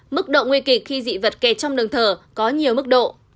mức độ nguy kịch khi dị vật kề trong đường thở có nhiều mức độ